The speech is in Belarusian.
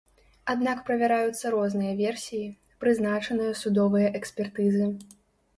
Аднак правяраюцца розныя версіі, прызначаныя судовыя экспертызы.